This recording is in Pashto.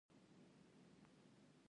رډ يې راته وکتل ويې ويل خير.